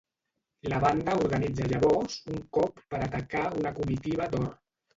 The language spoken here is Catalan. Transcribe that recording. La banda organitza llavors un cop per atacar una comitiva d'or.